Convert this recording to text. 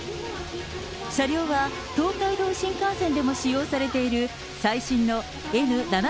車両は東海道新幹線でも使用されている、最新のＮ７００Ｓ。